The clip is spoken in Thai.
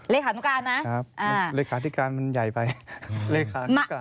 เลขานุการนะครับเลขาธิการมันใหญ่ไปเลขามากกว่า